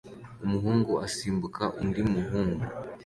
umuhungu asimbuka undi muhungu